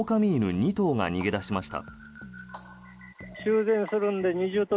２頭が逃げ出しました。